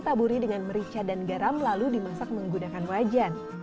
taburi dengan merica dan garam lalu dimasak menggunakan wajan